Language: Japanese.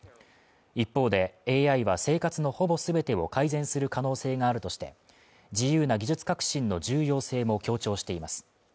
一方で、ＡＩは生活のほぼ全てを改善する可能性があるとして、自由な技術革新の重要性も強調しています。